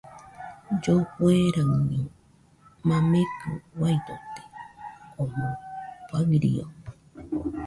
Llofueraɨño mamekɨ uiadote, omɨ farió